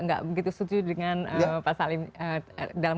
nggak begitu setuju dengan pak salim dalam